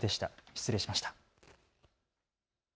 失礼しました。